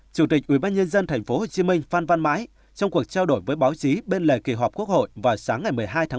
chủ tịch ubnd tp hcm phan văn mãi trong cuộc trao đổi với báo chí bên lề kỳ họp quốc hội vào sáng ngày một mươi hai tháng một mươi